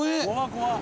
怖っ！